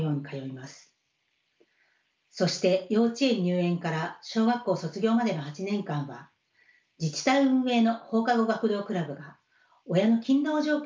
そして幼稚園入園から小学校卒業までの８年間は自治体運営の放課後学童クラブが親の勤労状況にかかわらず利用できます。